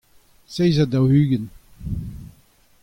seizh ha daou-ugent.